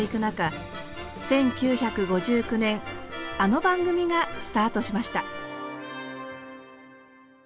１９５９年あの番組がスタートしました。